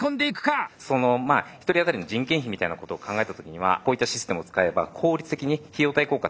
その１人あたりの人件費みたいなことを考えた時にはこういったシステムを使えば効率的に費用対効果